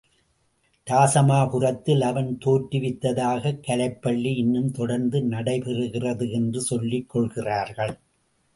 இராசமாபுரத்தில் அவன் தோற்றுவித்த கலைப்பள்ளி இன்னும் தொடர்ந்து நடைபெறுகிறது என்று சொல்லிக் கொள்கிறார்கள்.